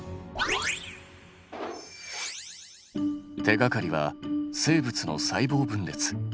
手がかりは生物の細胞分裂。